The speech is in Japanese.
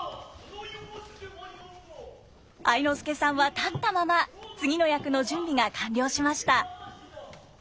愛之助さんは立ったまま次の役の準備が完了しました。